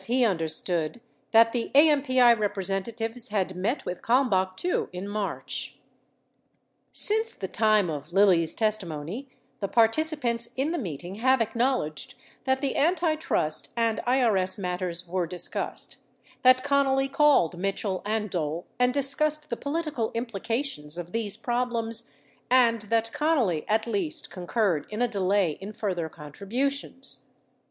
721 he understood that the AMPI representatives had met with Kalmbach, too, in March. 8 Since the time of Lilly's testimony, the participants in the meeting have acknowledged that the antitrust and IES matters were discussed, that ('onnally called Mitchell and Dole and discussed the political implications of these problems and that Connally at least concurred in a delay in further contributions.